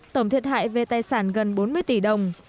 tổng thiệt hại về tài sản gần bốn mươi tỷ đồng